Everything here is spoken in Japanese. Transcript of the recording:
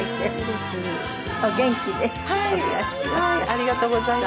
ありがとうございます。